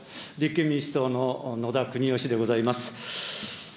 立憲民主党の野田国義でございます。